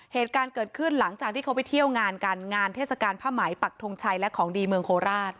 เหตุการณ์เกิดขึ้นหลังจากที่เขาไปเที่ยวงานกันงานเทศกาลผ้าไหมปักทงชัยและของดีเมืองโคราช